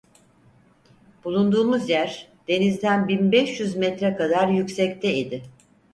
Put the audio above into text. Bulunduğumuz yer, denizden bin beş yüz metre kadar yüksekte idi.